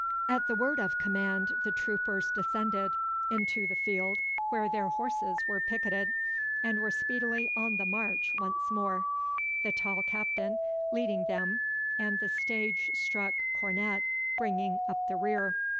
At the word of command the troopers descended into the field where their horses were picketed, and were speedily on the march once more, the tall Captain leading them, and the stage struck cornet bringing up the rear.